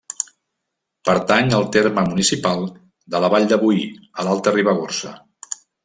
Pertany al terme municipal de la Vall de Boí, a l'Alta Ribagorça.